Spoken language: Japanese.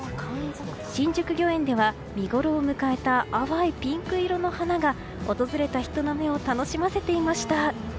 新宿御苑では見ごろを迎えた淡いピンク色の花が訪れた人の目を楽しませていました。